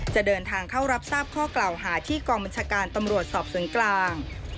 จะเดินทางเข้ารับทราบข้อกล่าวหาที่กองบัญชาการตำรวจสอบสวนกลาง